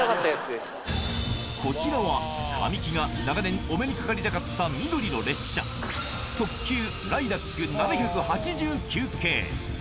こちらは、神木が長年、お目にかかりたかった緑の列車、特急ライラック７８９系。